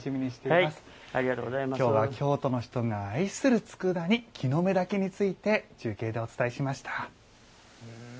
きょうは京都の人が愛するつくだ煮木の芽煮について中継でお伝えしました。